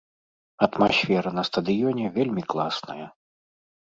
Атмасфера на стадыёне вельмі класная.